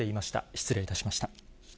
失礼いたしました。